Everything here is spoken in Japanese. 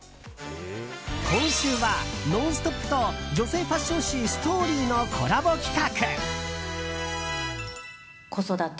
今週は「ノンストップ！」と女性ファッション誌「ＳＴＯＲＹ」のコラボ企画。